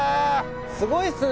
すごいっすね